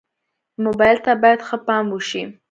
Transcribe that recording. موبایل ته باید ښه پام وشي.